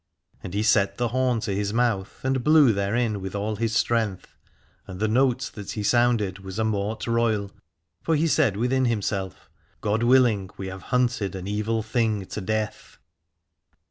And he set the horn to his mouth, and blew therein with all his strength, and the note that he sounded was a mort royal : for he said within himself: God willing, we have hunted an evil thing to death.